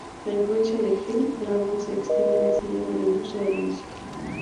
La influencia de G-Dragon se extiende más allá de la industria de la música.